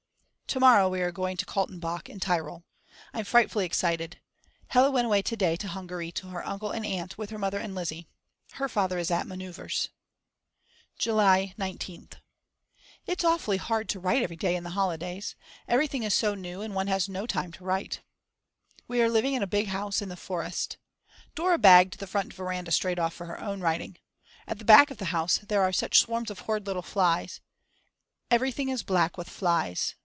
To morrow we are going to Kaltenbach in Tyrol. I'm frightfully excited. Hella went away to day to Hungary to her uncle and aunt with her mother and Lizzi. Her father is at manoeuvres. July 19th. It's awfully hard to write every day in the holidays. Everything is so new and one has no time to write. We are living in a big house in the forest. Dora bagged the front veranda straight off for her own writing. At the back of the house there are such swarms of horrid little flies; everything is black with flies.